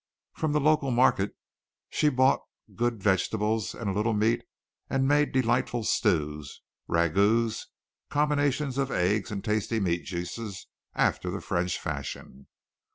From the local market she bought good vegetables and a little meat and made delightful stews, ragouts, combinations of eggs and tasty meat juices after the French fashion.